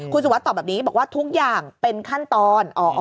คุณสุวัสดิตอบแบบนี้บอกว่าทุกอย่างเป็นขั้นตอน